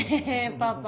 パパ